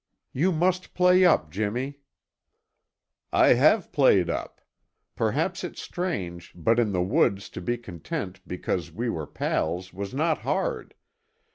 "You must play up, Jimmy!" "I have played up. Perhaps it's strange, but in the woods to be content because we were pals was not hard.